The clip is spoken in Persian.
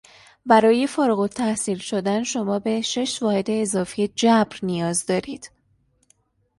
برای فارغ التحصیل شدن شما به شش واحد اضافی جبر نیاز دارید.